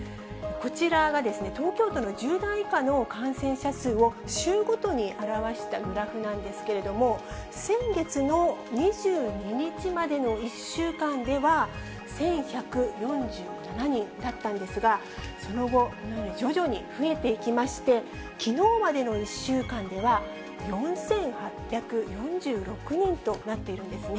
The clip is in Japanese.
こちらが、東京都の１０代以下の感染者数を週ごとに表したグラフなんですけれども、先月の２２日までの１週間では１１４７人だったんですが、その後、このように徐々に増えていきまして、きのうまでの１週間では、４８４６人となっているんですね。